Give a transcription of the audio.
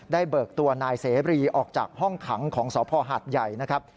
เบิกตัวนายเสบรีออกจากห้องขังของสภหัดใหญ่นะครับ